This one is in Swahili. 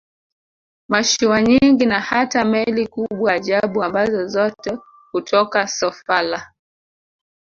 Mashua nyingi na hata meli kubwa ajabu ambazo zote hutoka Sofala